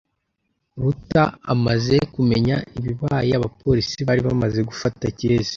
Ruta amaze kumenya ibibaye, abapolisi bari bamaze gufata Kirezi .